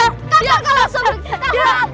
kacau kacau langsung